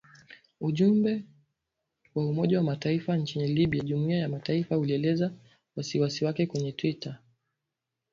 Ujumbe wa Umoja wa Mataifa nchini Libya (Jumuiya ya mataifa) ulielezea wasiwasi wake kwenye twitter.